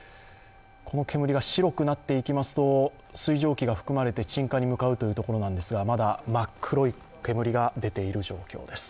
この煙が白くなっていきますと水蒸気が含まれて鎮火に向かうというところなんですが、まだ真っ黒い煙が出ている状況です。